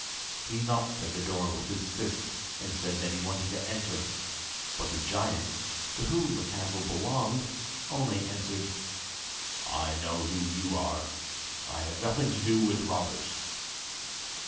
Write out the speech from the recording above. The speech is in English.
He knocked at the door with his fist, and said that he wanted to enter; but the giant, to whom the castle belonged, only answered: "I know who you are. I have nothing to do with robbers."